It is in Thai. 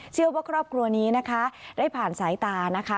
เชื่อว่าครอบครัวนี้นะคะได้ผ่านสายตานะคะ